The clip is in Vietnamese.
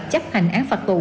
chấp hành án phạt tù